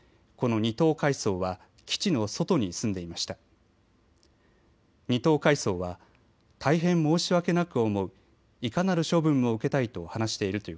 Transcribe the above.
２等海曹は大変申し訳なく思う。